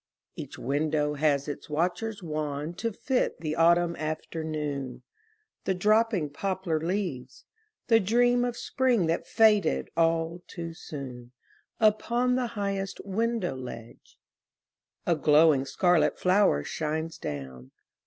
Each window has its watcher wan To fit the autumn afternoon, The dropping poplar leaves, the dream Of spring that faded all too soon. Upon the highest window ledge A glowing scarlet flower shines down.